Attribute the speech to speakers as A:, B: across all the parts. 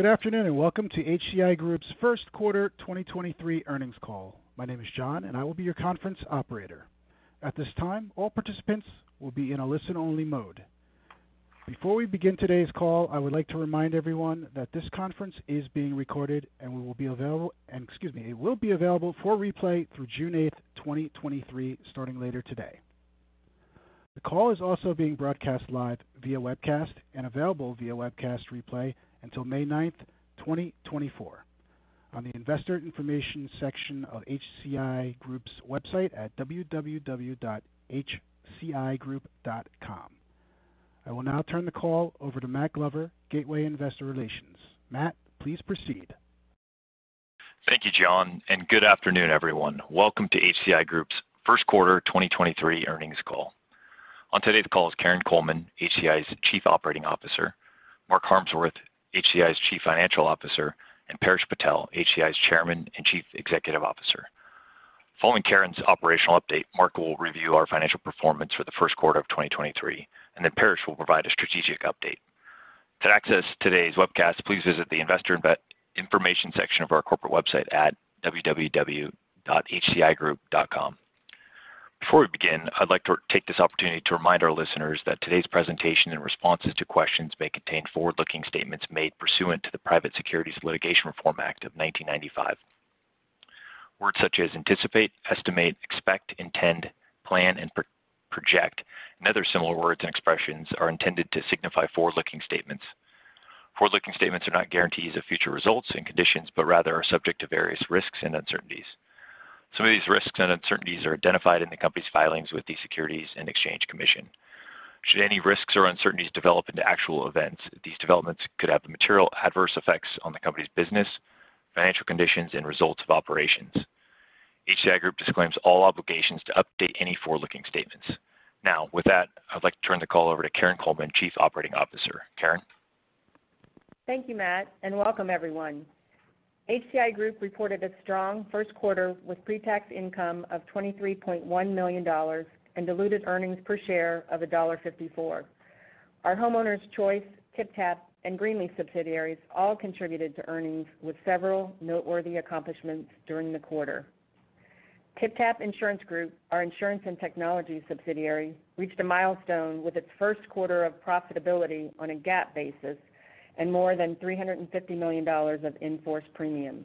A: Good afternoon, welcome to HCI Group's first quarter 2023 earnings call. My name is John, I will be your conference operator. At this time, all participants will be in a listen-only mode. Before we begin today's call, I would like to remind everyone that this conference is being recorded and it will be available for replay through June 8, 2023, starting later today. The call is also being broadcast live via webcast and available via webcast replay until May 9, 2024 on the investor information section of HCI Group's website at www.hcigroup.com. I will now turn the call over to Matt Glover, Gateway Group, Inc. Matt, please proceed.
B: Thank you, John, and good afternoon, everyone. Welcome to HCI Group's first quarter 2023 earnings call. On today's call is Karin Coleman, HCI's Chief Operating Officer, Mark Harmsworth, HCI's Chief Financial Officer, and Paresh Patel, HCI's Chairman and Chief Executive Officer. Following Karin's operational update, Mark will review our financial performance for the first quarter of 2023, and then Paresh will provide a strategic update. To access today's webcast, please visit the investor information section of our corporate website at www.hcigroup.com. Before we begin, I'd like to take this opportunity to remind our listeners that today's presentation and responses to questions may contain forward-looking statements made pursuant to the Private Securities Litigation Reform Act of 1995. Words such as anticipate, estimate, expect, intend, plan, and project, and other similar words and expressions are intended to signify forward-looking statements. Forward-looking statements are not guarantees of future results and conditions, but rather are subject to various risks and uncertainties. Some of these risks and uncertainties are identified in the company's filings with the Securities and Exchange Commission. Should any risks or uncertainties develop into actual events, these developments could have material adverse effects on the company's business, financial conditions, and results of operations. HCI Group disclaims all obligations to update any forward-looking statements. Now, with that, I'd like to turn the call over to Karin Coleman, Chief Operating Officer. Karin.
C: Thank you, Matt. Welcome everyone. HCI Group reported a strong first quarter with pre-tax income of $23.1 million and diluted earnings per share of $1.54. Our Homeowners Choice, TypTap, and Greenleaf subsidiaries all contributed to earnings with several noteworthy accomplishments during the quarter. TypTap Insurance Group, our insurance and technology subsidiary, reached a milestone with its first quarter of profitability on a GAAP basis and more than $350 million of in-force premiums.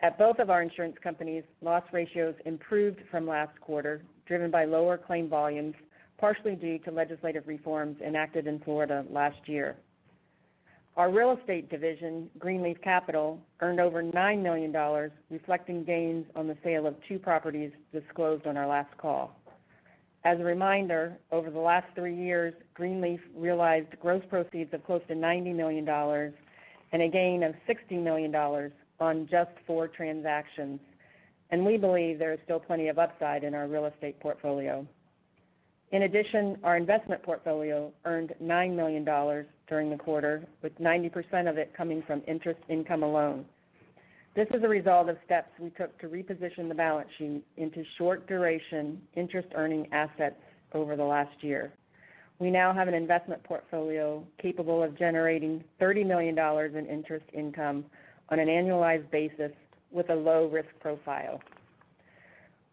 C: At both of our insurance companies, loss ratios improved from last quarter, driven by lower claim volumes, partially due to legislative reforms enacted in Florida last year. Our real estate division, Greenleaf Capital, earned over $9 million, reflecting gains on the sale of two properties disclosed on our last call. As a reminder, over the last three years, Greenleaf realized gross proceeds of close to $90 million and a gain of $60 million on just four transactions. We believe there is still plenty of upside in our real estate portfolio. In addition, our investment portfolio earned $9 million during the quarter, with 90% of it coming from interest income alone. This is a result of steps we took to reposition the balance sheet into short-duration interest-earning assets over the last year. We now have an investment portfolio capable of generating $30 million in interest income on an annualized basis with a low risk profile.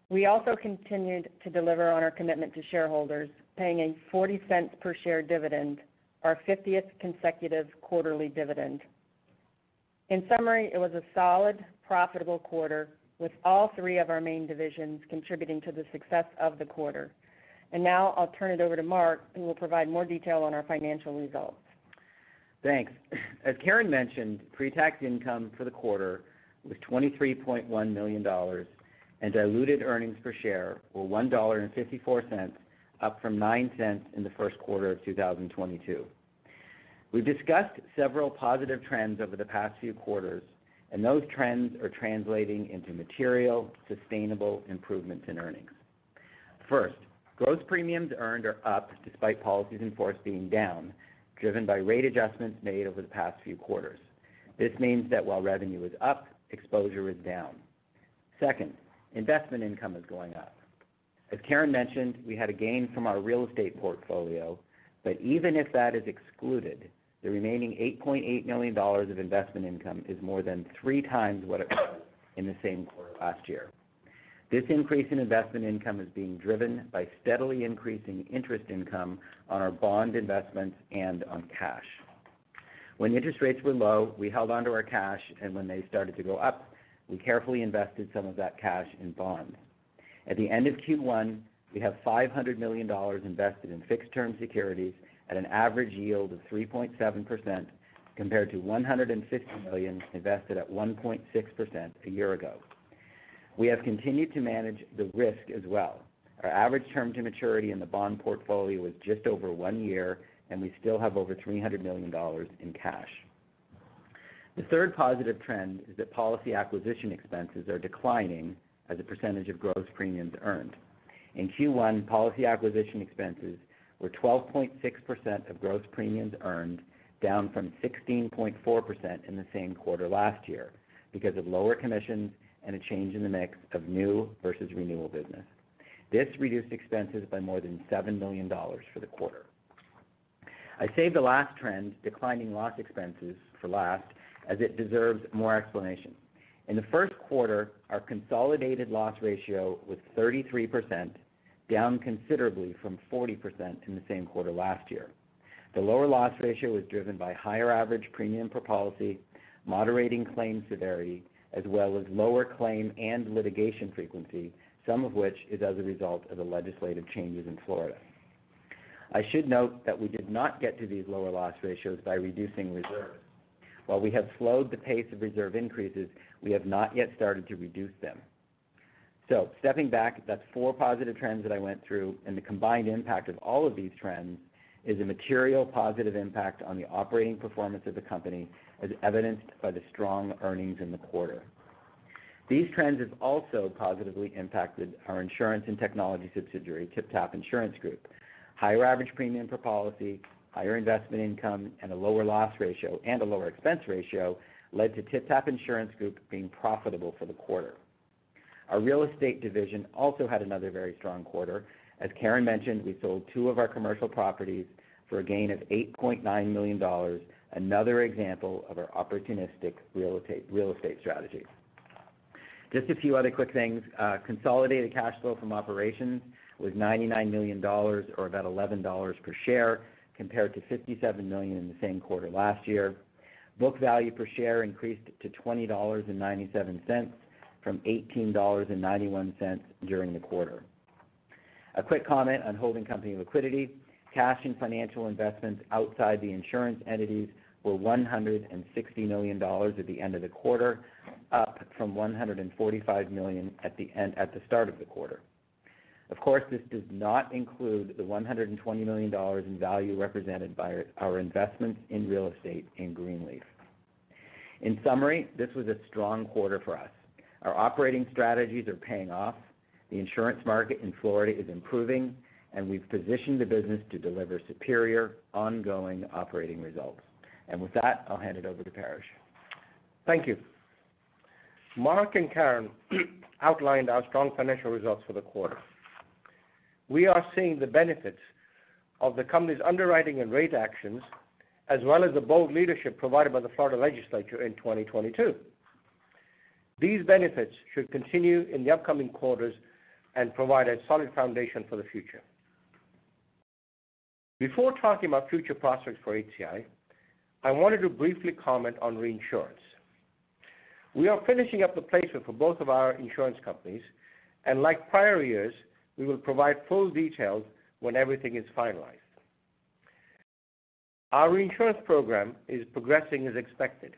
C: We also continued to deliver on our commitment to shareholders, paying a $0.40 per share dividend, our 50th consecutive quarterly dividend. In summary, it was a solid, profitable quarter with all three of our main divisions contributing to the success of the quarter. Now I'll turn it over to Mark, who will provide more detail on our financial results.
D: Thanks. As Karin mentioned, pre-tax income for the quarter was $23.1 million, diluted earnings per share were $1.54, up from $0.09 in the first quarter of 2022. We've discussed several positive trends over the past few quarters, those trends are translating into material, sustainable improvements in earnings. First, gross premiums earned are up despite policies in force being down, driven by rate adjustments made over the past few quarters. This means that while revenue is up, exposure is down. Second, investment income is going up. As Karin mentioned, we had a gain from our real estate portfolio, even if that is excluded, the remaining $8.8 million of investment income is more than 3 times what it was in the same quarter last year. This increase in investment income is being driven by steadily increasing interest income on our bond investments and on cash. When interest rates were low, we held onto our cash, and when they started to go up, we carefully invested some of that cash in bonds. At the end of Q1, we have $500 million invested in fixed-term securities at an average yield of 3.7% compared to $150 million invested at 1.6% a year ago. We have continued to manage the risk as well. Our average term to maturity in the bond portfolio was just over one year, and we still have over $300 million in cash. The third positive trend is that policy acquisition expenses are declining as a percentage of gross premiums earned. In Q1, policy acquisition expenses were 12.6% of gross premiums earned, down from 16.4% in the same quarter last year because of lower commissions and a change in the mix of new versus renewal business. This reduced expenses by more than $7 million for the quarter. I saved the last trend, declining loss expenses for last, as it deserves more explanation. In the first quarter, our consolidated loss ratio was 33%, down considerably from 40% in the same quarter last year. The lower loss ratio was driven by higher average premium per policy, moderating claim severity, as well as lower claim and litigation frequency, some of which is as a result of the legislative changes in Florida. I should note that we did not get to these lower loss ratios by reducing reserves. While we have slowed the pace of reserve increases, we have not yet started to reduce them. Stepping back, that's 4 positive trends that I went through, and the combined impact of all of these trends is a material positive impact on the operating performance of the company, as evidenced by the strong earnings in the quarter. These trends have also positively impacted our insurance and technology subsidiary, TypTap Insurance Group. Higher average premium per policy, higher investment income, and a lower loss ratio and a lower expense ratio led to TypTap Insurance Group being profitable for the quarter. Our real estate division also had another very strong quarter. As Karin mentioned, we sold 2 of our commercial properties for a gain of $8.9 million, another example of our opportunistic real estate strategy. Just a few other quick things. Consolidated cash flow from operations was $99 million or about $11 per share, compared to $57 million in the same quarter last year. Book value per share increased to $20.97 from $18.91 during the quarter. A quick comment on holding company liquidity. Cash and financial investments outside the insurance entities were $160 million at the end of the quarter, up from $145 million at the start of the quarter. Of course, this does not include the $120 million in value represented by our investments in real estate in Greenleaf. In summary, this was a strong quarter for us. Our operating strategies are paying off, the insurance market in Florida is improving, and we've positioned the business to deliver superior ongoing operating results. With that, I'll hand it over to Paresh.
E: Thank you. Mark and Karin outlined our strong financial results for the quarter. We are seeing the benefits of the company's underwriting and rate actions, as well as the bold leadership provided by the Florida legislature in 2022. These benefits should continue in the upcoming quarters and provide a solid foundation for the future. Before talking about future prospects for HCI, I wanted to briefly comment on reinsurance. We are finishing up the placement for both of our insurance companies. Like prior years, we will provide full details when everything is finalized. Our reinsurance program is progressing as expected.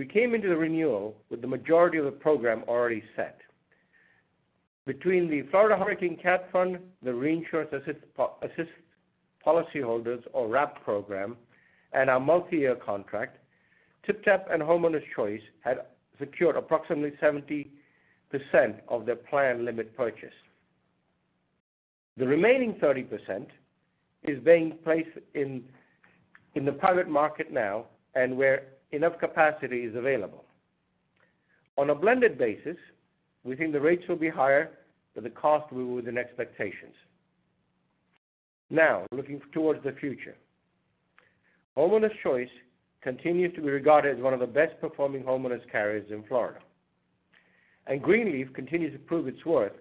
E: We came into the renewal with the majority of the program already set. Between the Florida Hurricane Catastrophe Fund, the Reinsurance to Assist Policyholders or RAP program, and our multi-year contract, TypTap and Homeowners Choice had secured approximately 70% of their planned limit purchase. The remaining 30% is being placed in the private market now and where enough capacity is available. On a blended basis, we think the rates will be higher, but the cost will be within expectations. Looking towards the future. Homeowners Choice continues to be regarded as one of the best-performing homeowners carriers in Florida, and Greenleaf continues to prove its worth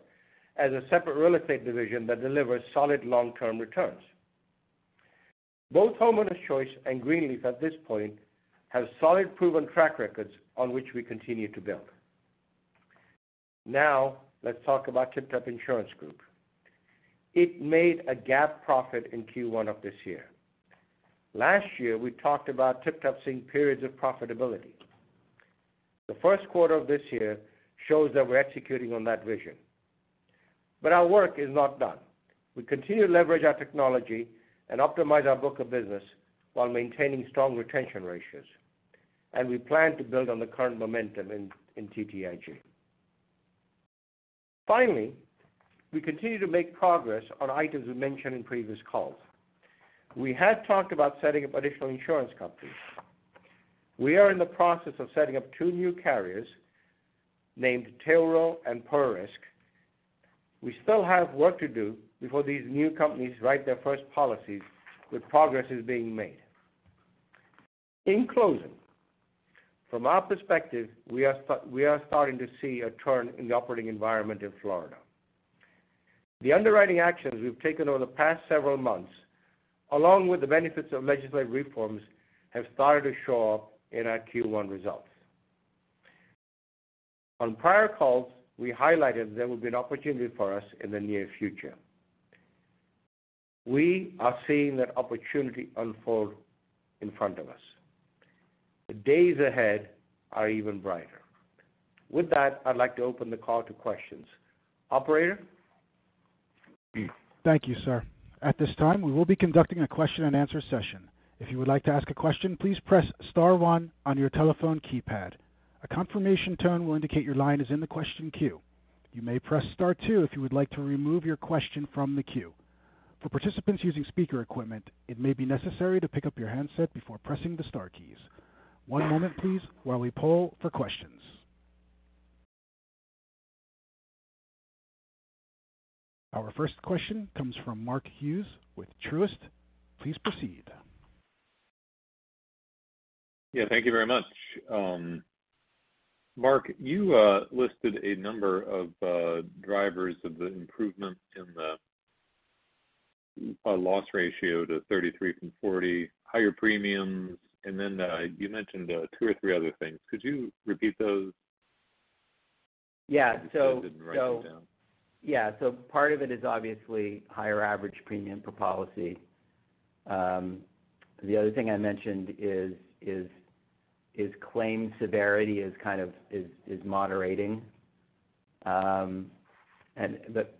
E: as a separate real estate division that delivers solid long-term returns. Both Homeowners Choice and Greenleaf at this point have solid proven track records on which we continue to build. Let's talk about TypTap Insurance Group. It made a GAAP profit in Q1 of this year. Last year, we talked about TypTap seeing periods of profitability. The first quarter of this year shows that we're executing on that vision, but our work is not done. We continue to leverage our technology and optimize our book of business while maintaining strong retention ratios. We plan to build on the current momentum in TTIG. Finally, we continue to make progress on items we mentioned in previous calls. We had talked about setting up additional insurance companies. We are in the process of setting up 2 new carriers named Tailrow and Peril Risk. We still have work to do before these new companies write their first policies. Progress is being made. In closing, from our perspective, we are starting to see a turn in the operating environment in Florida. The underwriting actions we've taken over the past several months, along with the benefits of legislative reforms, have started to show up in our Q1 results. On prior calls, we highlighted there would be an opportunity for us in the near future. We are seeing that opportunity unfold in front of us. The days ahead are even brighter. I'd like to open the call to questions. Operator?
D: Thank you, sir. At this time, we will be conducting a question-and-answer session. If you would like to ask a question, please press star one on your telephone keypad. A confirmation tone will indicate your line is in the question queue. You may press star two if you would like to remove your question from the queue.
A: For participants using speaker equipment, it may be necessary to pick up your handset before pressing the star keys. One moment please while we poll for questions. Our first question comes from Mark Hughes with Truist. Please proceed.
F: Yeah, thank you very much. Mark, you listed a number of drivers of the improvement in the loss ratio to 33 from 40, higher premiums, and then you mentioned 2 or 3 other things. Could you repeat those?
D: Yeah.
F: I didn't write them down.
D: Yeah. Part of it is obviously higher average premium per policy. The other thing I mentioned is claim severity is kind of moderating.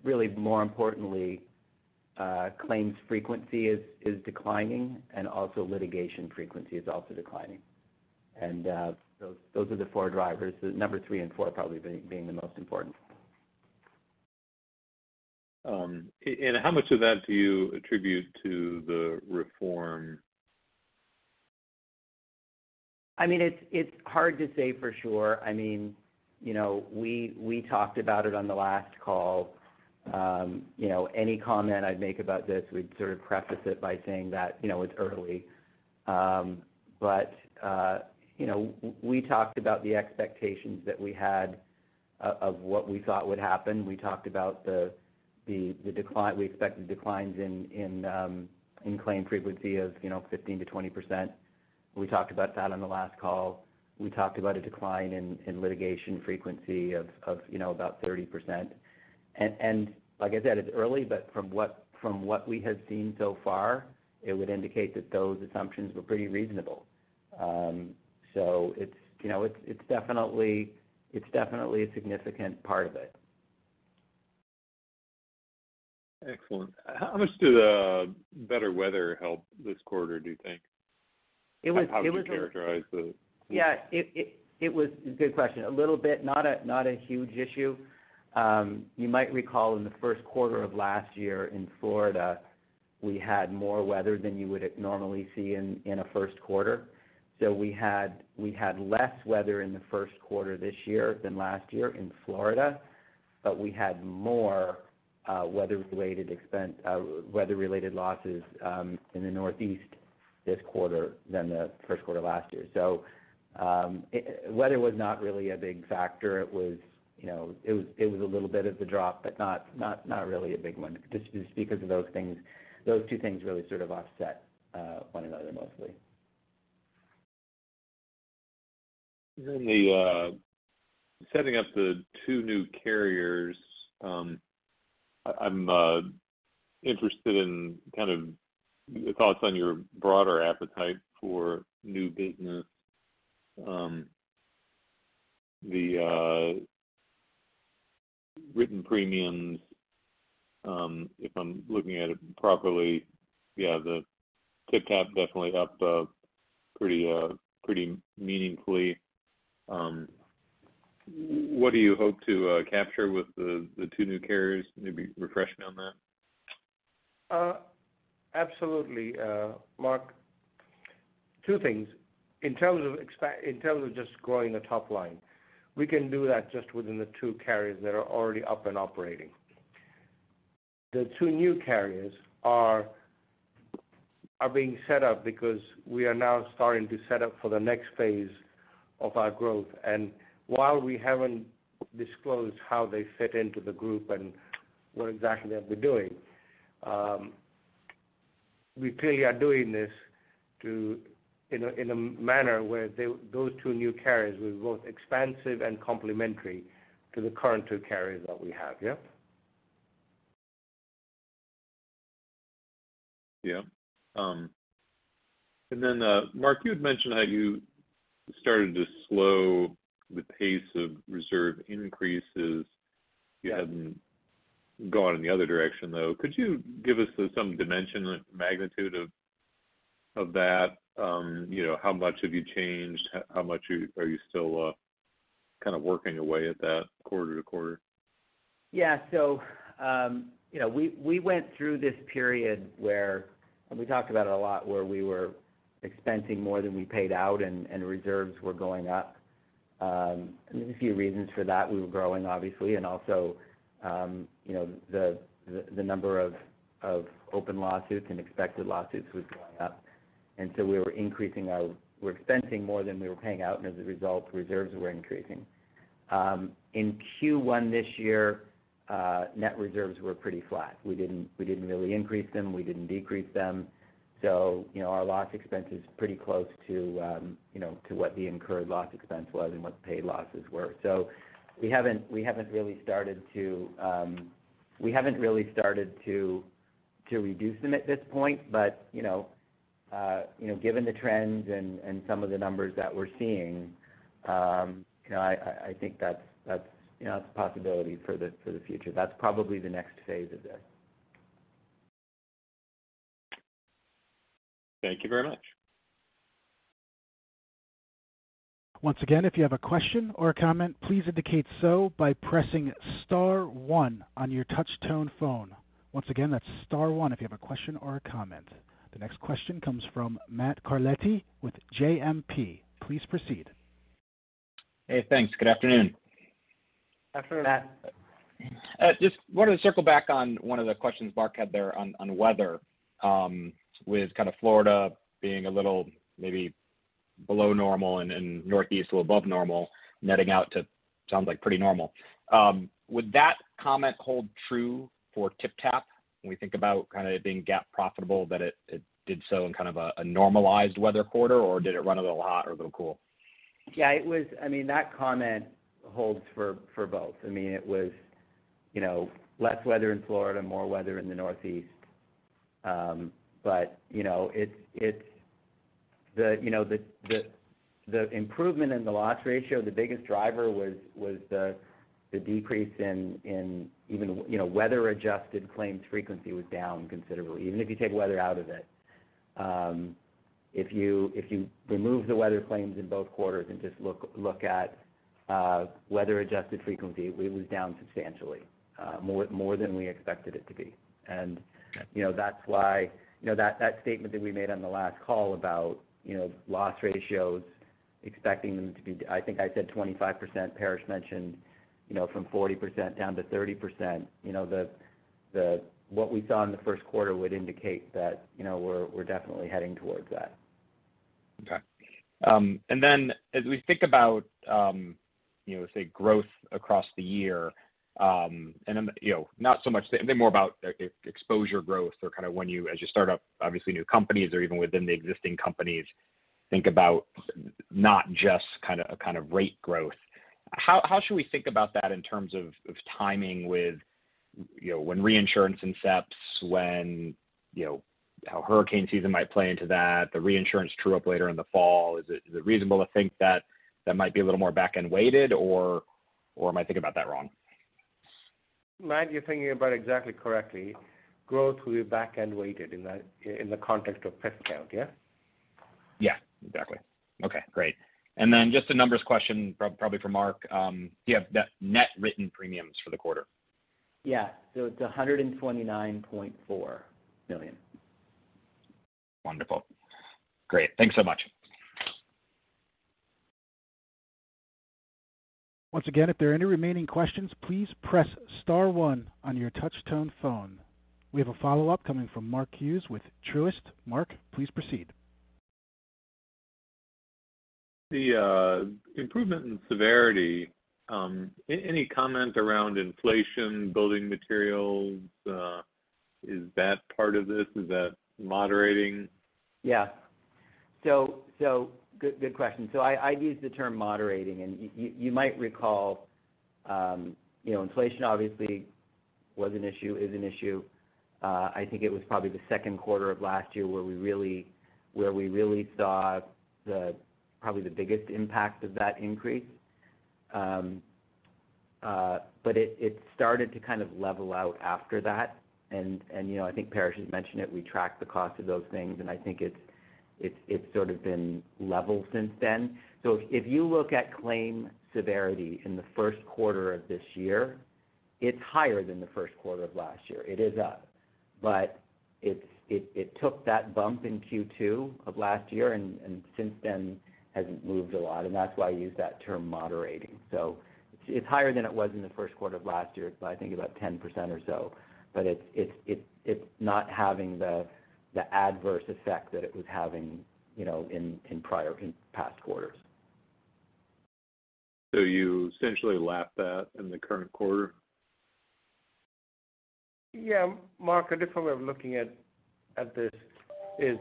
D: Really more importantly, claims frequency is declining and also litigation frequency is also declining. Those are the 4 drivers. The number 3 and 4 probably being the most important.
F: How much of that do you attribute to the reform?
D: I mean, it's hard to say for sure. I mean, you know, we talked about it on the last call. You know, any comment I'd make about this, we'd sort of preface it by saying that, you know, it's early. But, you know, we talked about the expectations that we had of what we thought would happen. We talked about the decline we expected declines in claim frequency of, you know, 15%-20%. We talked about that on the last call. We talked about a decline in litigation frequency of, you know, about 30%. Like I said, it's early, but from what, from what we have seen so far, it would indicate that those assumptions were pretty reasonable. So it's, you know, it's definitely, it's definitely a significant part of it.
F: Excellent. How much did better weather help this quarter, do you think?
D: It was.
F: How would you characterize
D: Yeah. It was. Good question. A little bit, not a huge issue. You might recall in the first quarter of last year in Florida, we had more weather than you would normally see in a first quarter. We had less weather in the first quarter this year than last year in Florida, but we had more weather-related expense, weather-related losses in the Northeast this quarter than the first quarter last year. Weather was not really a big factor. It was, you know, it was a little bit of the drop, but not really a big one. Just because of those things, those two things really sort of offset one another mostly.
F: The setting up the two new carriers, I'm interested in kind of the thoughts on your broader appetite for new business. The written premiums, if I'm looking at it properly, yeah, the TypTap definitely up pretty meaningfully. What do you hope to capture with the two new carriers? Maybe refresh me on that.
E: absolutely, Mark. 2 things. In terms of just growing the top line, we can do that just within the 2 carriers that are already up and operating. The 2 new carriers are being set up because we are now starting to set up for the next phase of our growth. While we haven't disclosed how they fit into the group and what exactly they'll be doing, we clearly are doing this to, in a, in a manner where they, those 2 new carriers were both expansive and complementary to the current 2 carriers that we have. Yeah.
F: Yeah. Mark, you'd mentioned how you started to slow the pace of reserve increases.
D: Yeah.
F: You hadn't gone in the other direction, though. Could you give us some dimension magnitude of that? You know, how much have you changed? How much are you still kind of working away at that quarter to quarter?
D: Yeah. You know, we went through this period where, and we talked about it a lot, where we were expensing more than we paid out and reserves were going up. There's a few reasons for that. We were growing, obviously, and also, you know, the number of open lawsuits and expected lawsuits was going up. We were expensing more than we were paying out, and as a result, reserves were increasing. In Q1 this year, net reserves were pretty flat. We didn't really increase them. We didn't decrease them. You know, our loss expense is pretty close to, you know, to what the incurred loss expense was and what the paid losses were. We haven't really started to reduce them at this point. You know, given the trends and some of the numbers that we're seeing, you know, I think that's, you know, it's a possibility for the future. That's probably the next phase of this.
F: Thank you very much.
A: Once again, if you have a question or a comment, please indicate so by pressing star one on your touchtone phone. Once again, that's star one if you have a question or a comment. The next question comes from Matt Carletti with JMP. Please proceed.
G: Hey, thanks. Good afternoon.
D: Afternoon, Matt.
G: Just wanted to circle back on one of the questions Mark had there on weather, with Florida being a little maybe below normal and Northeast a little above normal, netting out to sounds like pretty normal. Would that comment hold true for TypTap when we think about it being GAAP profitable, that it did so in a normalized weather quarter, or did it run a little hot or a little cool?
D: Yeah, it was... I mean, that comment holds for both. I mean, it was, you know, less weather in Florida, more weather in the Northeast. But you know, the, you know, the improvement in the loss ratio, the biggest driver was the decrease in even, you know, weather adjusted claims frequency was down considerably. Even if you take weather out of it, if you remove the weather claims in both quarters and just look at weather adjusted frequency, we were down substantially more than we expected it to be.
G: Okay.
D: You know, that statement that we made on the last call about, you know, loss ratios, expecting them to be, I think I said 25%. Paresh mentioned, you know, from 40% down to 30%. You know, what we saw in the first quarter would indicate that, you know, we're definitely heading towards that.
G: Okay. Then as we think about, you know, say growth across the year, and, you know, not so much... A bit more about e-exposure growth or kind of when you, as you start up obviously new companies or even within the existing companies, think about not just kind of, rate growth. How should we think about that in terms of timing with, you know, when reinsurance incepts, when, you know, how hurricane season might play into that, the reinsurance true-up later in the fall? Is it, is it reasonable to think that that might be a little more back-end weighted or am I thinking about that wrong?
D: Matt, you're thinking about it exactly correctly. Growth will be back-end weighted in the context of TypTap, yeah.
G: Yeah, exactly. Okay, great. Then just a numbers question probably for Mark. Do you have the net written premiums for the quarter?
D: Yeah. It's $129.4 million.
G: Wonderful. Great. Thanks so much.
A: Once again, if there are any remaining questions, please press star one on your touchtone phone. We have a follow-up coming from Mark Hughes with Truist. Mark, please proceed.
F: The improvement in severity, any comment around inflation, building materials? Is that part of this? Is that moderating?
D: Yeah. Good, good question. I'd use the term moderating, and you might recall, you know, inflation obviously was an issue, is an issue. I think it was probably the second quarter of last year where we really saw the, probably the biggest impact of that increase. It, it started to kind of level out after that. You know, I think Paresh has mentioned it, we tracked the cost of those things, and I think it's sort of been level since then. If you look at claim severity in the first quarter of this year, it's higher than the first quarter of last year. It is up. it's, it took that bump in Q2 of last year and since then hasn't moved a lot, and that's why I use that term moderating. it's higher than it was in the first quarter of last year. It's, I think, about 10% or so. it's not having the adverse effect that it was having, you know, in past quarters.
F: You essentially lap that in the current quarter?
D: Yeah. Mark, a different way of looking at this is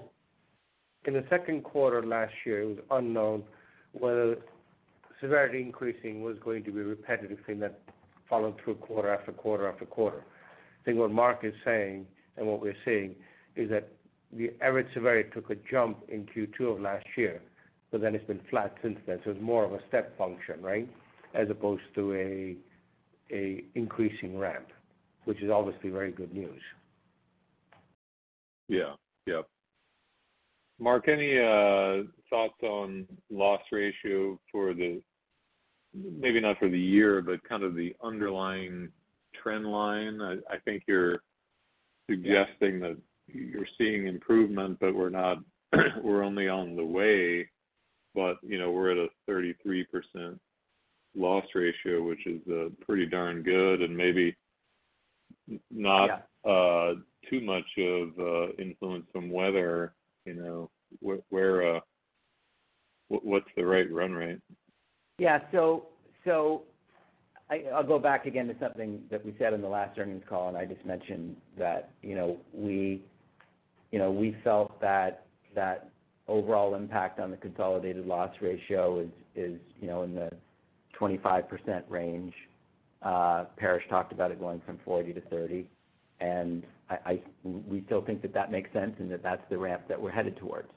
D: in the 2nd quarter last year, it was unknown whether severity increasing was going to be a repetitive thing that followed through quarter after quarter after quarter. I think what Mark is saying and what we're seeing is that the average severity took a jump in Q2 of last year, but then it's been flat since then. It's more of a step function, right? As opposed to a increasing ramp, which is obviously very good news.
F: Yeah. Yeah. Mark, any thoughts on loss ratio for the... Maybe not for the year, but kind of the underlying trend line? I think you're suggesting that you're seeing improvement, but we're not.
D: Yeah.
F: We're only on the way, but, you know, we're at a 33% loss ratio, which is, pretty darn good and maybe.
D: Yeah.
F: Too much of influence from weather. You know, where, what's the right run rate?
D: Yeah. I'll go back again to something that we said in the last earnings call, I just mentioned that, you know, we, you know, we felt that that overall impact on the consolidated loss ratio is, you know, in the 25% range. Paresh talked about it going from 40 to 30. We still think that that makes sense and that that's the ramp that we're headed towards.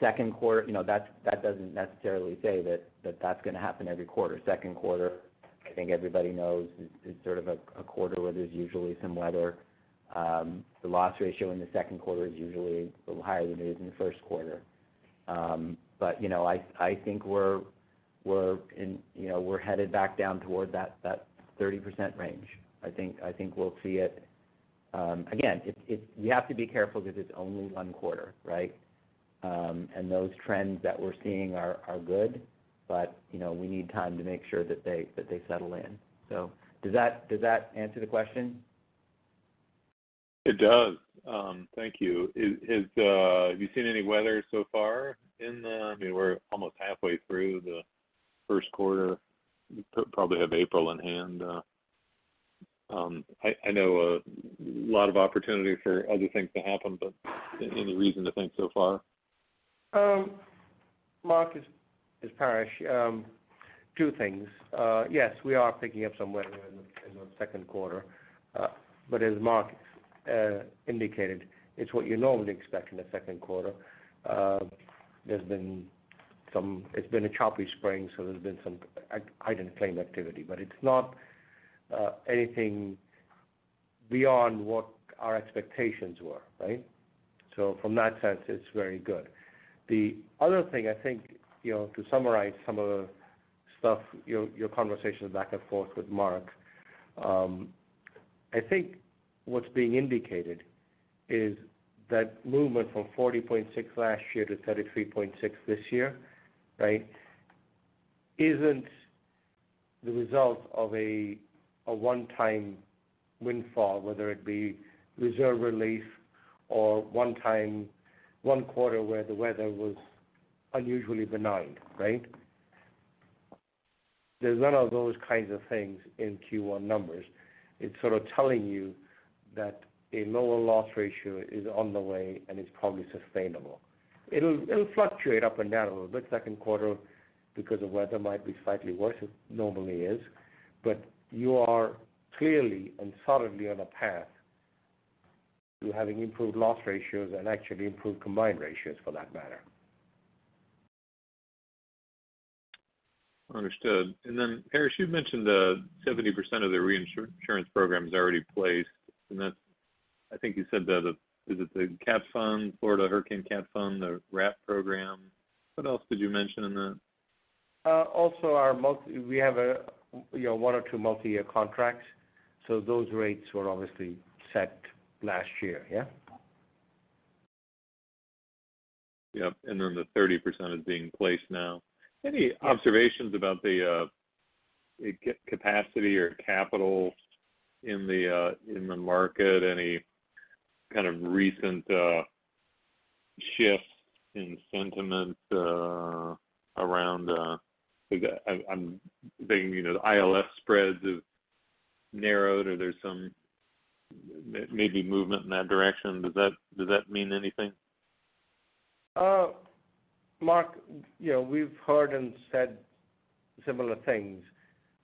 D: Second quarter, you know, that doesn't necessarily say that that's gonna happen every quarter. Second quarter, I think everybody knows it's sort of a quarter where there's usually some weather. The loss ratio in the second quarter is usually a little higher than it is in the first quarter. You know, I think we're in, you know, we're headed back down toward that 30% range. I think we'll see it, again, it's you have to be careful 'cause it's only 1 quarter, right? Those trends that we're seeing are good. You know, we need time to make sure that they settle in. Does that answer the question?
F: It does. Thank you. Is Have you seen any weather so far I mean, we're almost halfway through the first quarter, probably have April in hand. I know a lot of opportunity for other things to happen. Any reason to think so far?
E: Mark, it's Paresh. 2 things. Yes, we are picking up some weather in the second quarter. As Mark indicated, it's what you normally expect in the second quarter. It's been a choppy spring, there's been some height in claim activity. It's not anything beyond what our expectations were, right? From that sense, it's very good. The other thing I think, you know, to summarize some of the stuff, your conversations back and forth with Mark, I think what's being indicated is that movement from 40.6 last year to 33.6 this year, right? Isn't the result of a one-time windfall, whether it be reserve relief or one quarter where the weather was unusually benign, right? There's none of those kinds of things in Q1 numbers. It's sort of telling you that a lower loss ratio is on the way and is probably sustainable. It'll fluctuate up and down a little bit, second quarter, because the weather might be slightly worse than it normally is. You are clearly and solidly on a path to having improved loss ratios and actually improved combined ratios for that matter.
F: Understood. Paresh, you've mentioned 70% of the reinsurance program is already placed, and that's, I think you said that Is it the Cat Fund, Florida Hurricane Catastrophe Fund, the RAP program? What else did you mention in that?
E: Also our We have, you know, one or two multi-year contracts, so those rates were obviously set last year.
F: Yep. Then the 30% is being placed now. Any observations about the capacity or capital in the market? Any kind of recent shifts in sentiment around... I'm thinking, you know, the ILS spreads have narrowed or there's some maybe movement in that direction. Does that mean anything?
E: Mark, you know, we've heard and said similar things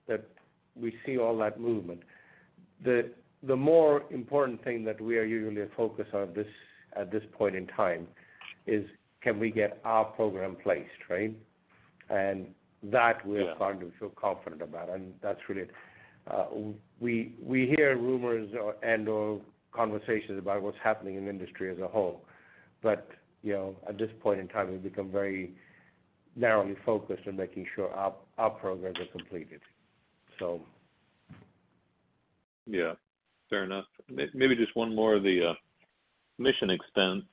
E: that we see all that movement. The more important thing that we are usually a focus at this point in time is can we get our program placed, right? That we're starting to feel confident about, and that's really it. We hear rumors or and/or conversations about what's happening in industry as a whole. You know, at this point in time, we've become very narrowly focused on making sure our programs are completed.
F: Yeah, fair enough. Maybe just one more. The mission expense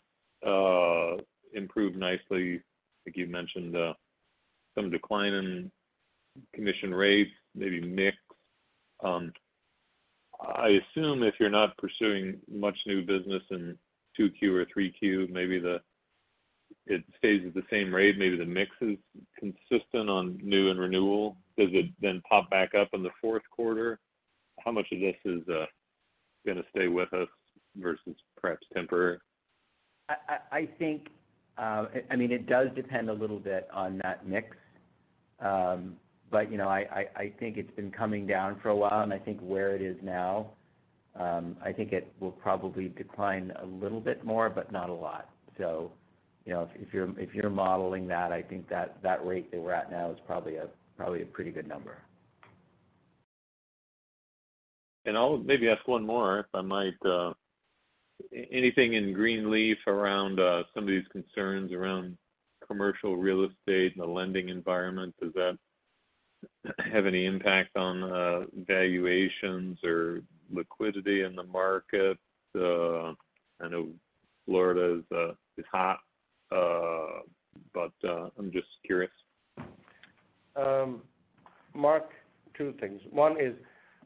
F: improved nicely. I think you've mentioned some decline in commission rates, maybe mix. I assume if you're not pursuing much new business in 2 Q or 3 Q, maybe it stays at the same rate, maybe the mix is consistent on new and renewal. Does it pop back up in the fourth quarter? How much of this is gonna stay with us versus perhaps temporary?
D: I think, I mean, it does depend a little bit on that mix. You know, I think it's been coming down for a while, and I think where it is now, I think it will probably decline a little bit more, but not a lot. You know, if you're modeling that, I think that rate that we're at now is probably a pretty good number.
F: I'll maybe ask one more, if I might. Anything in Greenleaf around some of these concerns around commercial real estate and the lending environment? Does that have any impact on valuations or liquidity in the market? I know Florida is hot, but I'm just curious.
E: Mark, two things. One is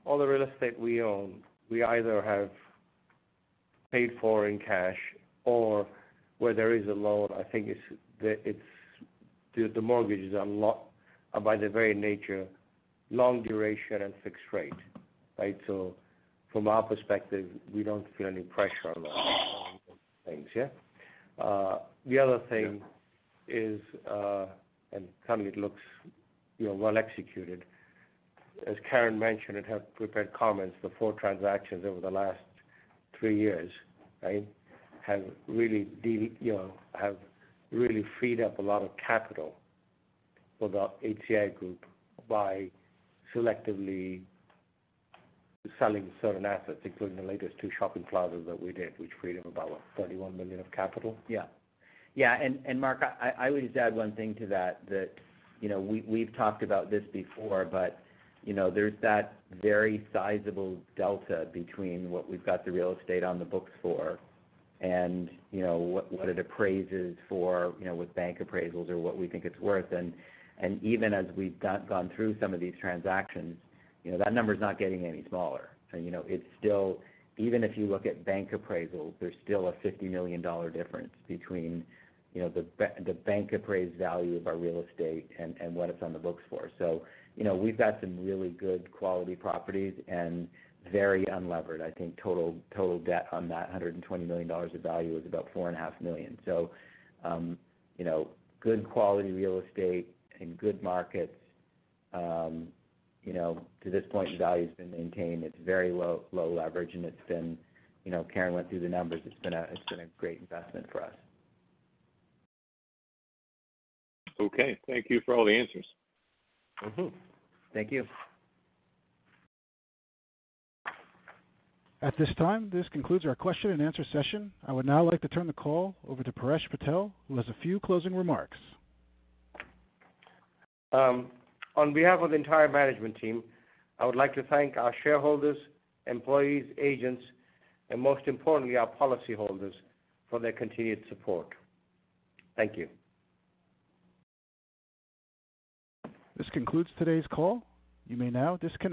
E: all the real estate we own, we either have paid for in cash or where there is a loan, I think it's, the mortgage is a lot, by the very nature, long duration and fixed rate. Right? From our perspective, we don't feel any pressure on those things. The other thing is, and currently it looks, you know, well executed. As Karin mentioned in her prepared comments, the four transactions over the last three years, right? Have really, you know, freed up a lot of capital for the HCI Group by selectively selling certain assets, including the latest two shopping plazas that we did, which freed up about what, $41 million of capital.
D: Yeah, and Mark, I would just add one thing to that, you know, we've talked about this before, but, you know, there's that very sizable delta between what we've got the real estate on the books for and, you know, what it appraises for, you know, with bank appraisals or what we think it's worth. Even as we've gone through some of these transactions, you know, that number is not getting any smaller. You know, it's still. Even if you look at bank appraisals, there's still a $50 million difference between, you know, the bank appraised value of our real estate and what it's on the books for. You know, we've got some really good quality properties and very unlevered. I think total debt on that $120 million of value is about $4.5 million. you know, good quality real estate in good markets. you know, to this point, the value's been maintained. It's very low, low leverage, and it's been, you know, Karin Coleman went through the numbers. It's been a great investment for us.
F: Okay. Thank you for all the answers.
E: Mm-hmm.
D: Thank you.
A: At this time, this concludes our question and answer session. I would now like to turn the call over to Paresh Patel, who has a few closing remarks.
E: On behalf of the entire management team, I would like to thank our shareholders, employees, agents, and most importantly, our policyholders for their continued support. Thank you.
A: This concludes today's call. You may now disconnect.